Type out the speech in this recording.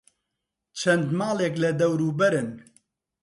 چەند ماڵێک لە دەوروبەرن.